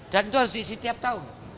dan itu harus isi setiap tahun